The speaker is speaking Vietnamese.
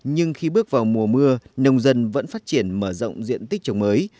nhưng khi bước vào mùa mưa nông dân vẫn phát triển mở rộng diện tích trồng mới